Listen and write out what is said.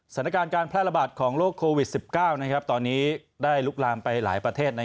สถานการณ์การแพร่ระบาดของโรคโควิด๑๙ตอนนี้ได้ลุกลามไปหลายประเทศ